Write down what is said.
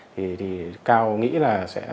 thì cao nghĩ là